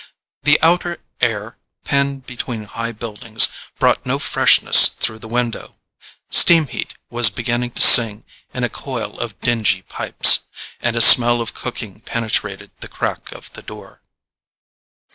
The outer air, penned between high buildings, brought no freshness through the window; steam heat was beginning to sing in a coil of dingy pipes, and a smell of cooking penetrated the crack of the door.